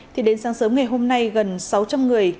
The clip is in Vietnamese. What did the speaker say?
thì đến sáng sớm ngày hôm nay gần sáu trăm linh người